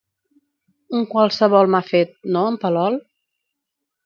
Un qualsevol m'ha fet, no en Palol?